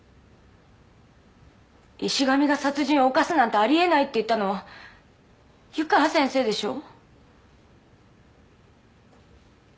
石神が殺人を犯すなんてあり得ないって言ったのは湯川先生でしょ